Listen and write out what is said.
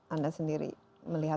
anda sendiri melihat